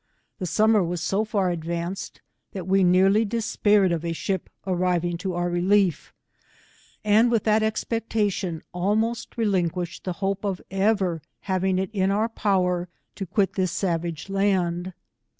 The summer was so far advanced, that we nearly despaired of a ship arriving to our relief, and with that expectation, almost relinquished the hope of ever having it in our power to quit this savage land.